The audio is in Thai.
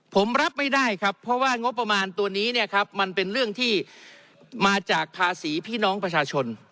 ผมรับไม่ได้ครับเพราะว่างบประมาณตัวนี้เนี่ยครับมันเป็นเรื่องที่มาจากภาษีพี่น้องประชาชน